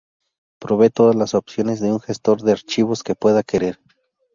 Provee todas las opciones de un gestor de archivos que pueda querer.